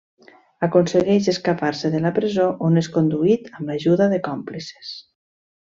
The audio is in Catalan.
Aconsegueix escapar-se de la presó on és conduït, amb l'ajuda de còmplices.